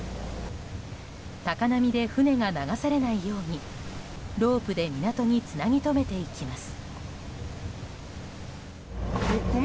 高波で船が流されないようにロープで港につなぎ止めていきます。